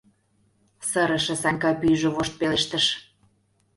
— сырыше Санька пӱйжӧ вошт пелештыш.